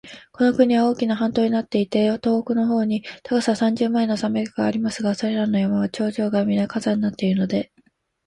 この国は大きな半島になっていて、北東の方に高さ三十マイルの山脈がありますが、それらの山は頂上がみな火山になっているので、